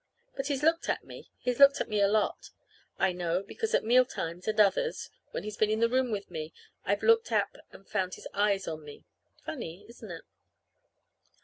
But he's looked at me. He's looked at me a lot. I know, because at mealtimes and others, when he's been in the room with me, I've looked up and found his eyes on me. Funny, isn't it?